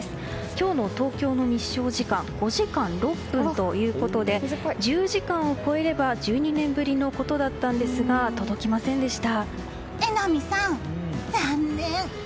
今日の東京の日照時間５時間６分ということで１０時間を超えれば１２年ぶりのことでしたが榎並さん、残念！